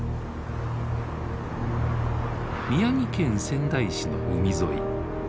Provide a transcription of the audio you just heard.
宮城県仙台市の海沿い。